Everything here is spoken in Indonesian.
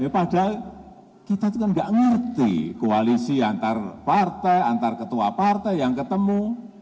padahal kita itu kan nggak ngerti koalisi antar partai antar ketua partai yang ketemu